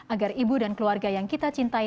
agar ibu dan keluarga yang kita cintai